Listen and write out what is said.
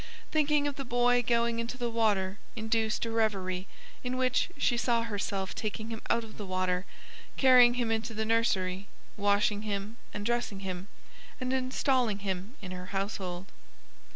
Thinking of the boy going into the water induced a reverie in which she saw herself taking him out of the water, carrying him into the nursery, washing him and dressing him, and installing him in her household.